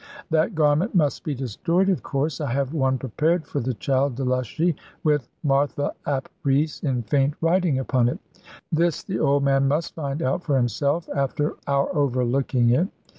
That garment must be destroyed of course. I have one prepared for the child Delushy, with 'Martha ap Rees' in faint writing upon it. This the old man must find out for himself, after our overlooking it.